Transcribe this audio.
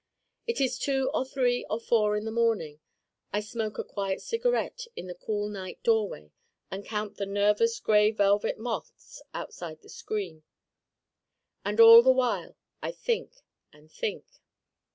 It is two or three or four in the morning. I smoke a quiet cigarette in a cool night doorway and count the nervous gray velvet moths outside the screen. And all the while I think and think.